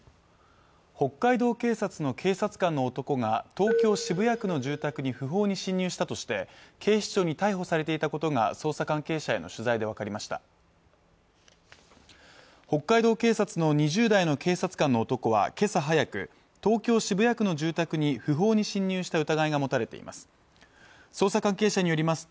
北海道警察の警察官の男が東京・渋谷区の住宅に不法に侵入したとして警視庁に逮捕されていたことが捜査関係者への取材で分かりました北海道警察の２０代の警察官の男はけさ早く東京・渋谷区の住宅に不法に侵入した疑いが持たれています